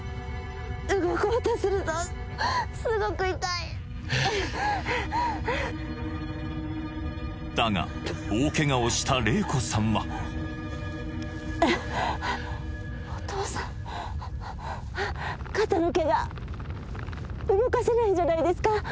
動こうとするとすごく痛いえっだが大ケガをした玲子さんはお父さん肩のケガ動かせないんじゃないですか？